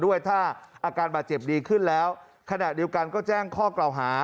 ด้วยถ้าอาการบาดเจ็บดีขึ้นแล้วขณะเดียวกันก็แจ้งข้อกล่าวหา